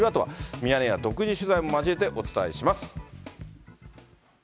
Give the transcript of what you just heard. ミヤネ屋独自取材も交えてお伝えします。